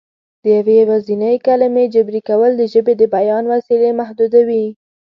د یوې یوازینۍ کلمې جبري کول د ژبې د بیان وسیلې محدودوي